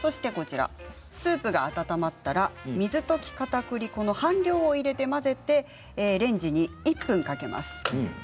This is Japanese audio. スープが温まったら水溶きかたくり粉の半量を入れて混ぜてレンジに１分かけます。